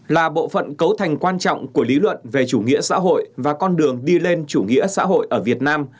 là bộ phận cấu thành quan trọng của lý luận về chủ nghĩa xã hội và con đường đi lên chủ nghĩa xã hội ở việt nam